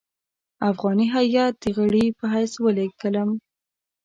افغاني هیات د غړي په حیث ولېږلم.